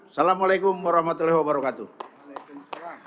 assalamu'alaikum warahmatullahi wabarakatuh